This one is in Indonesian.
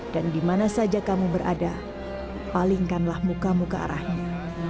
dan dimana saja kamu berada palingkanlah mukamu ke arahnya